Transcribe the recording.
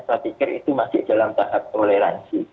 saya pikir itu masih dalam tahap toleransi